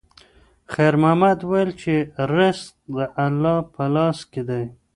خیر محمد وویل چې رزق د الله په لاس کې دی.